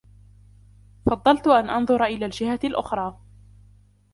فضلت أن أنظر إلى الجهة الأخرى.